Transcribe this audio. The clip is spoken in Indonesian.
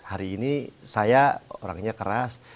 hari ini saya orangnya keras